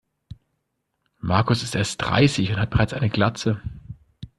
Markus ist erst dreißig und hat bereits eine Glatze.